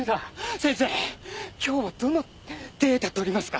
先生今日はどのデータ取りますか？